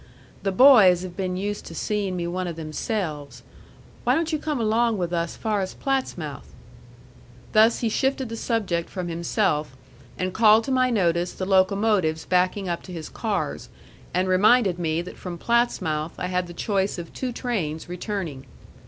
"The boys have been used to seein' me one of themselves. Why don't you come along with us far as Plattsmouth?" Thus he shifted the subject from himself, and called to my notice the locomotives backing up to his cars, and reminded me that from Plattsmouth I had the choice of two trains returning.